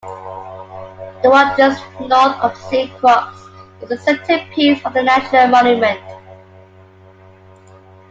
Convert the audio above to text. The one just north of Saint Croix is the centerpiece of the National Monument.